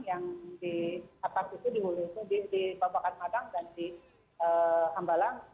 yang di atas itu di bapakkan madang dan di ambalang